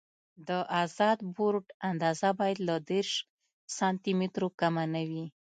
د ازاد بورډ اندازه باید له دېرش سانتي مترو کمه نه وي